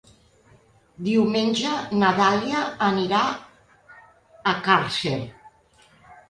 Diumenge na Dàlia anirà a Càrcer.